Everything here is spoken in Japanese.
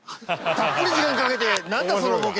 たっぷり時間かけて何だそのボケ。